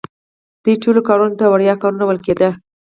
دې ټولو کارونو ته وړیا کارونه ویل کیده.